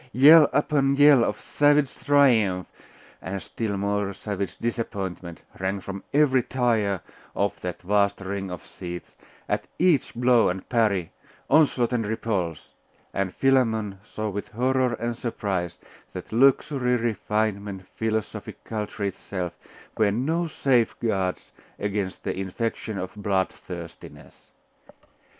Yell upon yell of savage triumph, and still more savage disappointment, rang from every tier of that vast ring of seats, at each blow and parry, onslaught and repulse; and Philammon saw with horror and surprise that luxury, refinement, philosophic culture itself, were no safeguards against the infection of bloodthirstiness.